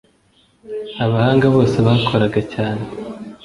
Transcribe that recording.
Abahanga bose bakoraga cyane